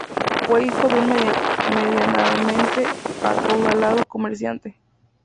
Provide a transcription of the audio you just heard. Fue hijo de un medianamente acaudalado comerciante.